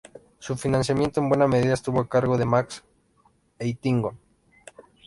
Su financiamiento en buena medida estuvo a cargo de Max Eitingon.